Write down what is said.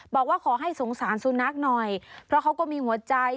บอกว่าขอให้สงสารสุนัขหน่อย